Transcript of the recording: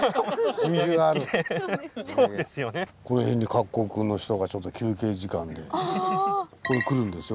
この辺に各国の人がちょっと休憩時間でここへ来るんですよ。